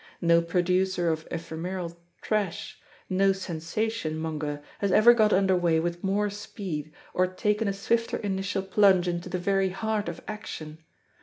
No producer of ephemeral trash, no sensation monger, has ever got under way with more speed, or taken a swifter initial plunge into the very heart of action.